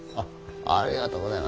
ありがとうございます